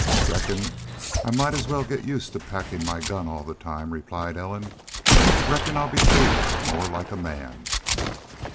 "Reckon I might as well get used to packing my gun all the time," replied Ellen. "Reckon I'll be treated more like a man."